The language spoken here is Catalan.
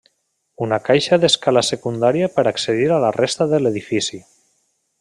Una caixa d'escala secundària per accedir a la resta de l'edifici.